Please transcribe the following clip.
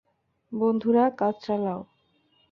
বন্ধুরা, কাজ চালাও।